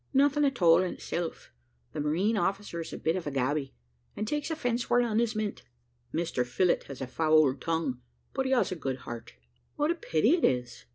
"Nothing at all in itself the marine officer is a bit of a gaby, and takes offence where none is meant. Mr Phillott has a foul tongue, but he has a good heart." "What a pity it is!"